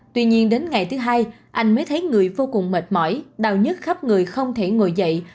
tuy nhiên đến ngày thứ hai anh mới thấy người vô cùng mệt mỏi đau nhất khắp người không thể ngồi dậy